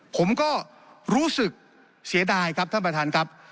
ผมก็รู้สึกเสียดายครับท่านประธานครับ